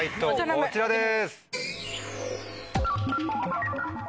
こちらです。